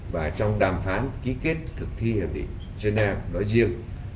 và trong đàm phán ký kết thực thi hiệp định geneva nói riêng